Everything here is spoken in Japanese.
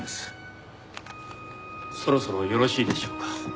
そろそろよろしいでしょうか？